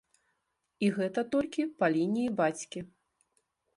І гэта толькі па лініі бацькі.